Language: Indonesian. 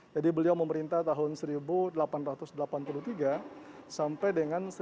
jadi beliau memerintah tahun seribu delapan ratus delapan puluh tiga sampai dengan seribu sembilan ratus tiga puluh satu